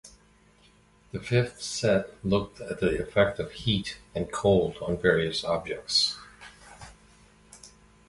The fifth set looked at the effect of heat and cold on various objects.